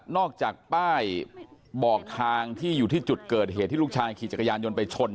จากป้ายบอกทางที่อยู่ที่จุดเกิดเหตุที่ลูกชายขี่จักรยานยนต์ไปชน